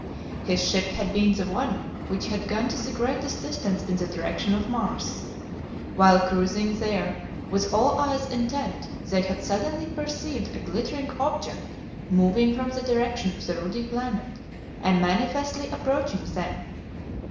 His ship had been the one which had gone to the greatest distance in the direction of Mars. While cruising there, with all eyes intent, they had suddenly perceived a glittering object moving from the direction of the ruddy planet, and manifestly approaching them.